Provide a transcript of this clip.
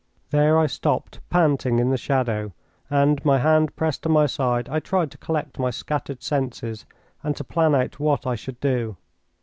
There I stopped, panting, in the shadow, and, my hand pressed to my side, I tried to collect my scattered senses and to plan out what I should do.